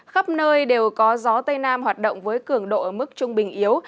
khắp nơi đều có gió tây nam hoạt động với cường độ ở mức trung bình yếu